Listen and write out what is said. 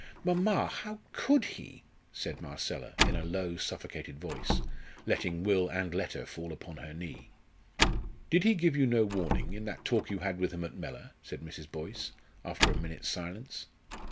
"Mamma, how could he?" said Marcella, in a low, suffocated voice, letting will and letter fall upon her knee. "Did he give you no warning in that talk you had with him at Mellor?" said Mrs. Boyce, after a minute's silence.